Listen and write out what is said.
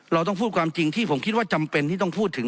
เราต้องพูดความจริงที่ผมคิดว่าจำเป็นที่ต้องพูดถึง